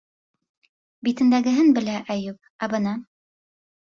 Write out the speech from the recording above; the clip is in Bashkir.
Битендәгеһен белә Әйүп, ә бына...